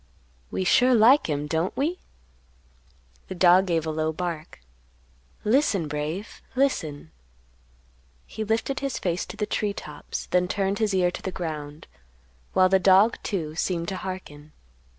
"We sure like him, don't we?" The dog gave a low bark. "Listen, Brave, listen." He lifted his face to the tree tops, then turned his ear to the ground, while the dog, too, seemed to hearken.